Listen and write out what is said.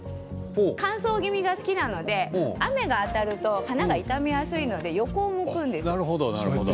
乾燥気味が好きなので雨が当たると花が傷みやすいので横を向くんです。